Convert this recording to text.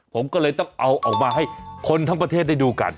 ผมก็เลยต้องเอาออกมาให้คนทั้งประเทศได้ดูกัน